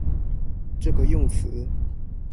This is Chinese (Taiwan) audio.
這個用詞